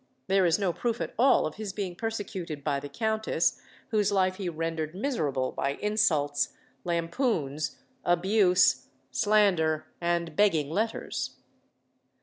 There is no proof at all of his being persecuted by the countess, whose life he rendered miserable by insults, lampoons, abuse, slander, and begging letters.